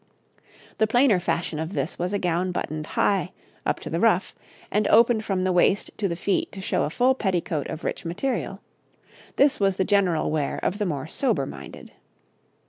The plainer fashion of this was a gown buttoned high up to the ruff and opened from the waist to the feet to show a full petticoat of rich material; this was the general wear of the more sober minded.